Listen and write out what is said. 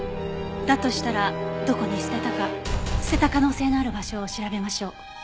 だとしたらどこに捨てたか捨てた可能性のある場所を調べましょう。